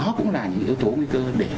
đó cũng là những yếu tố nguy cơ để